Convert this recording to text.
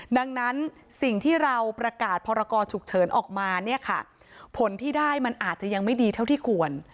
ดังนั้นสิ่งที่เราประกาศพรกรฉุกเฉินออกมาเนี่ยค่ะผลที่ได้มันอาจจะยังไม่ดีเท่าที่ควร